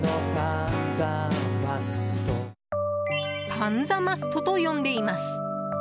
パンザマストと呼んでいます。